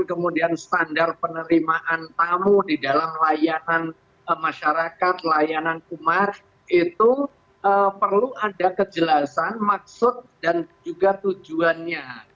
kemudian standar penerimaan tamu di dalam layanan masyarakat layanan kumar itu perlu ada kejelasan maksud dan juga tujuannya